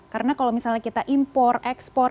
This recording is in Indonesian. karena kalau misalnya kita impor ekspor